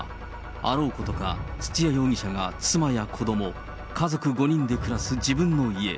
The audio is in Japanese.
あろうことか、土屋容疑者が妻や子ども、家族５人で暮らす自分の家。